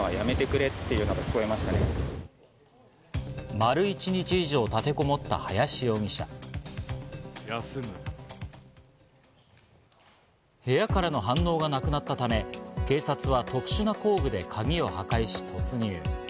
丸１日以上立てこもった林容部屋からの反応がなくなったため、警察は特殊な工具で鍵を破壊し突入。